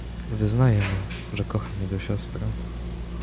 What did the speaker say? "Wyznaję mu, że kocham jego siostrę."